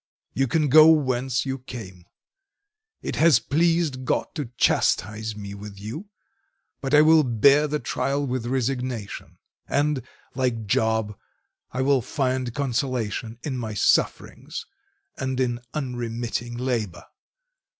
You can go whence you came. It has pleased God to chastise me with you, but I will bear the trial with resignation, and, like Job, I will find consolation in my sufferings and in unremitting labour.